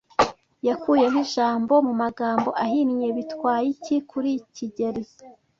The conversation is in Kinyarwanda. Yakuyeho ijambo mu magambo ahinnye. Bitwaye iki kuri kigeli?